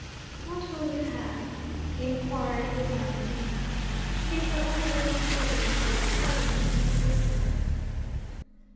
'What will you have?' he inquired resignedly. She gave her own orders to the waiter, without troubling him to speak for her.